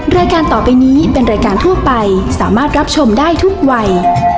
รายการต่อไปนี้เป็นรายการทั่วไปสามารถรับชมได้ทุกวัย